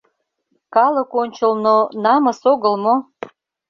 Калык ончылно намыс огыл мо?